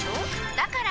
だから！